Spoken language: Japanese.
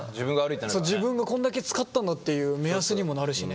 そう自分がこんだけ使ったんだっていう目安にもなるしね。